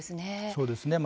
そうですね。